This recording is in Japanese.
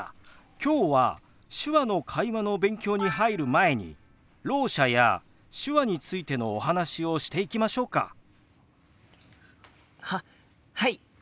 今日は手話の会話の勉強に入る前にろう者や手話についてのお話をしていきましょうか。ははい！